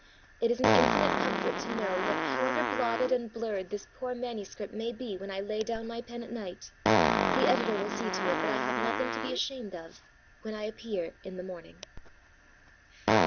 It is an infinite comfort to know that, however blotted and blurred this poor manuscript may be when I lay down my pen at night, the Editor will see to it that I have nothing to be ashamed of when I appear in the morning.